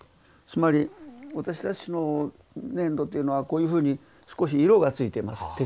つまり私たちの粘土というのはこういうふうに少し色がついてます。